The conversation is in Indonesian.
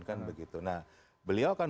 kan begitu nah beliau kan